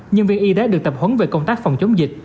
nhân viên y tế được tập huấn về công tác phòng chống dịch